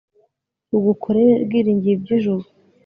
rugukorere, rwiringiye iby'ijuru